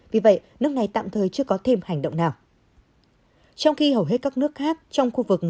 vì vậy nước này tạm thời chưa có thêm hành động nào